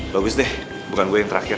bagus deh bukan gue yang terakhir